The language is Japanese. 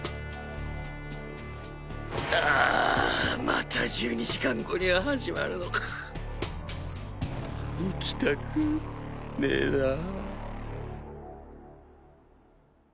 ああまた１２時間後には始まるのか行きたくねえなぁ